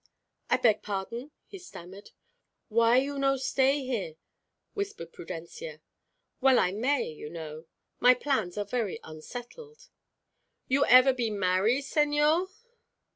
"I beg pardon?" he stammered. "Why you no stay here?" whispered Prudencia. "Well, I may, you know; my plans are very unsettled." "You ever been marry, señor?"